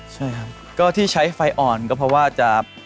ใช่ครับก็ที่ใช้ไฟอ่อนก็เพราะว่าจะ